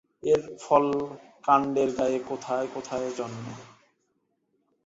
এর ফল কান্ডের গায়ে থোকায় থোকায় জন্মে।